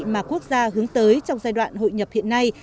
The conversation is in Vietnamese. mà quốc gia hướng tới trong giai đoạn hội nhập hiện nay